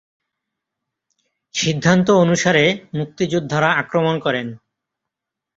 সিদ্ধান্ত অনুসারে মুক্তিযোদ্ধারা আক্রমণ করেন।